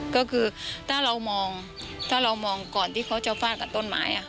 ก็คือถ้าเรามองก่อนที่เขาจะฟาดกับต้นไม้